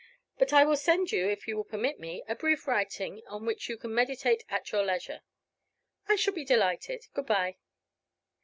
"But I will send you, if you will permit me, a brief writing, on which you can meditate at your leisure." "I shall be delighted. Good bye."